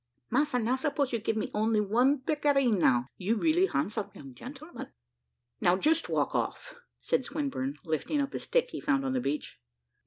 "Massa, now suppose you give me only one pictareen now. You really handsome young gentleman." "Now, just walk off," said Swinburne, lifting up a stick he found on the beach.